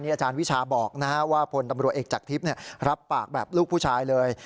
อาจารย์วิชาบอกว่าพลตำรวจเอกจากทิพย์รับปากแบบลูกผู้ชายเลย